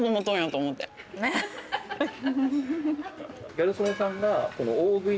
ギャル曽根さんが。